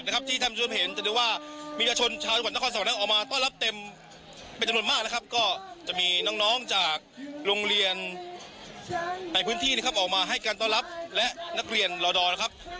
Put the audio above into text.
ก็จะมีน้องน้องจากโรงเรียนในพื้นที่นะครับออกมาให้การต้อนรับและนักเรียนลอดอร์นะครับ